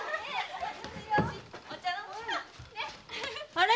・あれ？